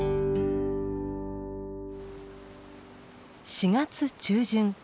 ４月中旬。